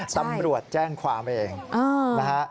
ตำรวจแจ้งความเองนะฮะ